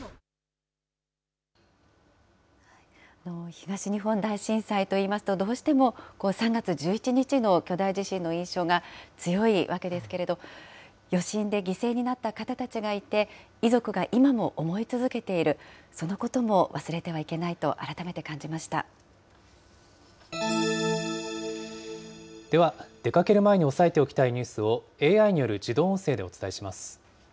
東日本大震災といいますと、どうしても３月１１日の巨大地震の印象が強いわけですけれど、余震で犠牲になった方たちがいて、遺族が今も思い続けている、そのことも忘れてはいけないと、では、出かける前に押さえておきたいニュースを、ＡＩによる自動音声でお伝えします。